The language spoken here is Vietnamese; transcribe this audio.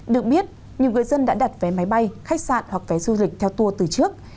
được biết nhiều người dân đã đặt vé máy bay khách sạn hoặc vé du lịch theo tour từ trước